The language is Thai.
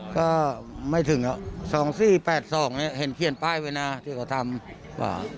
ก็ไม่ถึงสองสี่แปดสองเห็นเขี้ยนป้ายวินาที่เขาทำ